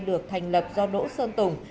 được thành lập do đỗ sơn tùng